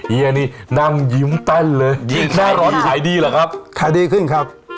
เฮียนี่นั่งยิ้มแต้นเลยยิ้มหน้าร้อนขายดีเหรอครับขายดีขึ้นครับ